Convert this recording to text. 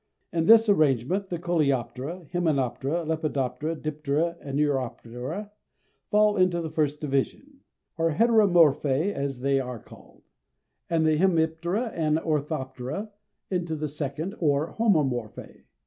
In this arrangement, the Coleoptera, Hymenoptera, Lepidoptera, Diptera and Neuroptera, fall into the first division, or Heteromorphæ as they are called; and the Hemiptera and Orthoptera into the second or Homomorphæ.